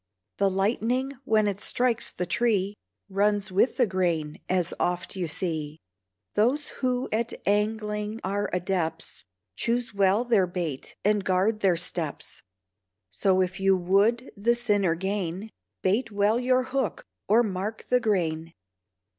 The lightning when it strikes the tree Runs with the grain, as oft you see; Those who at angling are adepts, Choose well their bait and guard their steps; So if you would the sinner gain, Bait well your hook, or mark the grain.